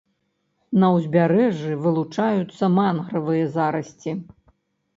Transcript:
На ўзбярэжжы вылучаюцца мангравыя зарасці.